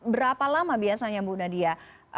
berapa lama biasanya bu nadia